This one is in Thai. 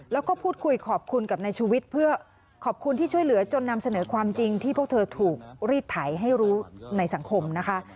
แล้วก็พูดคุยขอบคุณกับนายชูวิทย์เพื่อขอบคุณที่ช่วยเหลือจนนำเสนอความจริงที่พวกเธอถูกรีดไถให้รู้ในสังคมนะคะ